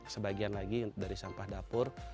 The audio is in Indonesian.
sebagian lagi dari sampah dapur